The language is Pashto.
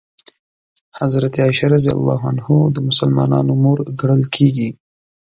حضرت عایشه رض د مسلمانانو مور ګڼل کېږي.